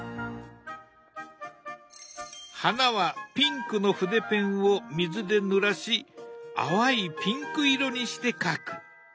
花はピンクの筆ペンを水でぬらし淡いピンク色にして描く。